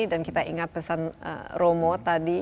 dan kita ingat pesan romo tadi